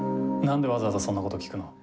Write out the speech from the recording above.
なんでわざわざそんなこと聞くの？